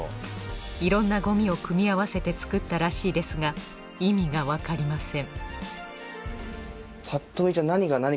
いろんなゴミを組み合わせて作ったらしいですが意味がわかりません